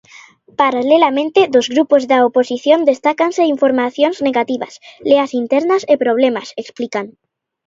Paralelamente, dos grupos da oposición destácanse informacións negativas, leas internas e problemas, explican.